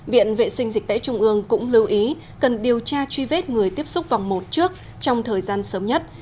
viện vệ sinh dịch tễ trung ương cũng lưu ý cần điều tra truy vết người tiếp xúc vòng một trước trong thời gian sớm nhất